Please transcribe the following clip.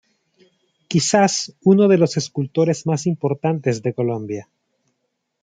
Quizás uno de los escultores más importantes de Colombia.